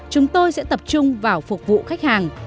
chúng tôi sẽ tập trung vào phục vụ khách hàng